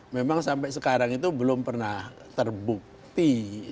memang sampai sekarang itu belum pernah terbukti